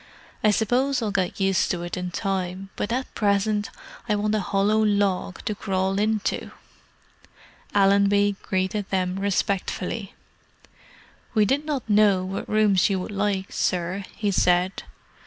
"I suppose I'll get used to it in time, but at present I want a hollow log to crawl into!" Allenby greeted them respectfully. "We did not know what rooms you would like, sir," he said.